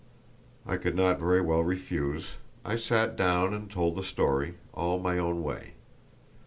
I could not very well refuse; I sat down and told the story, all my own way.